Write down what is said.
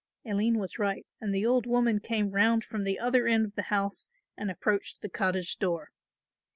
Aline was right and the old woman came round from the other end of the house and approached the cottage door.